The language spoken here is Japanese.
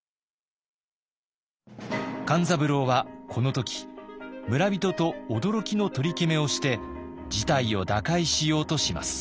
勘三郎はこの時村人と驚きの取り決めをして事態を打開しようとします。